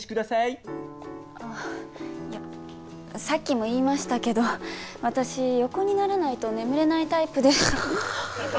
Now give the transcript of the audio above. さっきも言いましたけど私横にならないと眠れないタイプで。